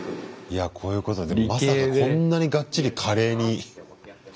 いやこういうことまさかこんなにがっちりカレーに。